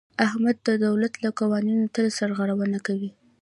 احمد د دولت له قوانینو تل سرغړونه کوي.